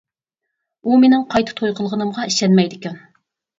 ئۇ مېنىڭ قايتا توي قىلغىنىمغا ئىشەنمەيدىكەن.